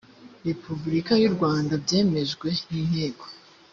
repubulika y u rwanda byemejwe n inteko